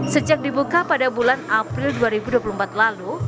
sejak dibuka pada bulan april dua ribu dua puluh empat lalu